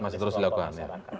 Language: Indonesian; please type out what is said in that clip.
masih terus dilakukan ya